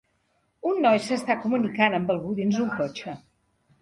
Un noi s'està comunicant amb algú dins un cotxe.